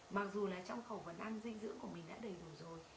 mặc dù là trong khẩu phần ăn dinh dưỡng của mình đã đầy đủ rồi